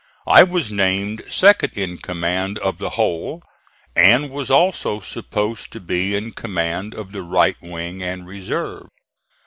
I was named second in command of the whole, and was also supposed to be in command of the right wing and reserve.